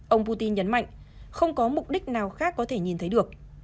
ông putin nhấn mạnh không có mục đích nào khác có thể nhìn thấy được